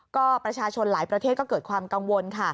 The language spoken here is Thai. ก็ประชาชนหลายประเทศก็เกิดความกังวลค่ะ